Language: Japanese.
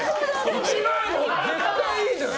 １万！のほうが絶対いいじゃん。